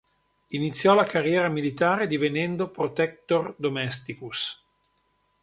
Iniziò la carriera militare, divenendo "protector domesticus".